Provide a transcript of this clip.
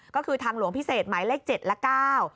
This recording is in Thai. ก็คือทางหลวงพิเศษหมายเลข๗และ๙